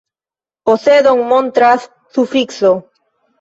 Posedon montras sufikso.